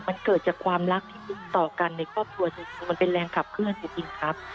มันเกิดจากความรักที่ดีต่อกันในครอบครัวจริงมันเป็นแรงขับเคลื่อนจริงครับ